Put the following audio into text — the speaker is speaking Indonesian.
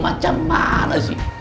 macam mana sih